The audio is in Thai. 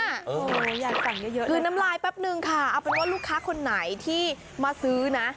อยากแต่งเยอะลืนน้ำลายแป๊บนึงค่ะเอาเป็นว่าลูกค้าคนไหนที่มาซื้อนะ